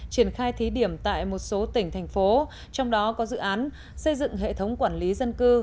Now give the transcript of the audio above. triển khai thí điểm tại một số tỉnh thành phố trong đó có dự án xây dựng hệ thống quản lý dân cư